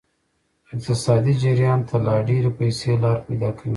اقتصادي جریان ته لا ډیرې پیسې لار پیدا کوي.